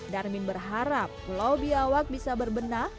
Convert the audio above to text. darmin berharap pulau biawak bisa berbenah